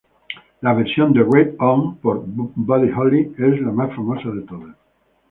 La versión de "Rave On" por Buddy Holly, es la más famosa de todas.